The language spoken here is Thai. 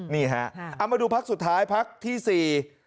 นี่ฮะเอามาดูพักสุดท้ายพักที่สี่